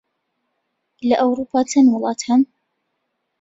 لە ئەورووپا چەند وڵات هەن؟